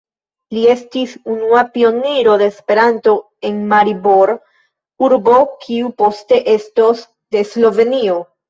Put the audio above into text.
Li estis unua pioniro de Esperanto en Maribor, urbo kiu poste estos de Slovenio.